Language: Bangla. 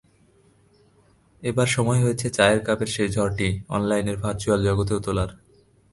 এবার সময় হয়েছে চায়ের কাপের সেই ঝড়টি অনলাইনের ভার্চুয়াল জগতেও তোলার।